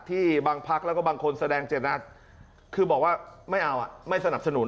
ที่บางภักดิ์และบางคนแสดงเจนัทคือบอกว่าไม่เอาไม่สนับสนุน